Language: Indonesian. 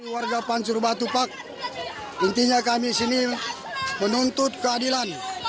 warga pancur batupak intinya kami sini menuntut keadilan